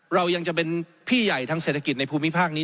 เรายังจะเป็นพี่ใหญ่ทางเศรษฐกิจในภูมิภาคนี้